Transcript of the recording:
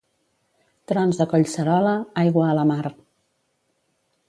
Trons a Collserola, aigua a la mar.